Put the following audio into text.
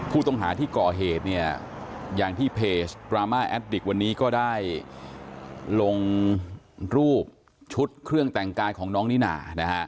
ผู้ต้องหาที่ก่อเหตุเนี่ยอย่างที่เพจดราม่าแอดดิกวันนี้ก็ได้ลงรูปชุดเครื่องแต่งกายของน้องนิน่านะฮะ